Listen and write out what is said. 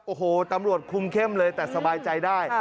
โอ้โหตำรวจคุมเข้มเลยแต่สบายใจได้